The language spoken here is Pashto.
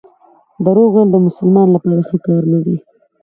درواغ ویل د مسلمان لپاره ښه کار نه دی.